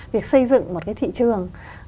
việc xây dựng một cái thị trường